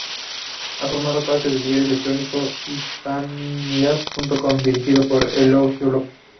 Ha formado parte del diario electrónico "Hispanidad.com", dirigido por Eulogio López.